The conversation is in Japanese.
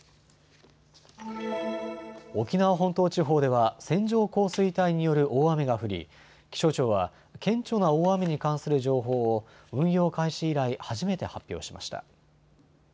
沖縄本島地方では線状降水帯による大雨が降り気象庁は顕著な大雨に関する情報を運用開始以来、初めて発表しました。